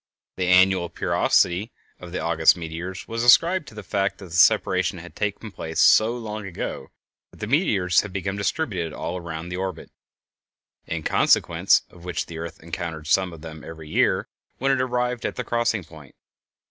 The annual periodicity of the August meteors was ascribed to the fact that the separation had taken place so long ago that the meteors had become distributed all around the orbit, in consequence of which the earth encountered some of them every year when it arrived at the crossing point.